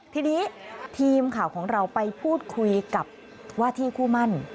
ทีนี้ทีมข่าวของเราไปพูดคุยกับว่าที่คู่มั่น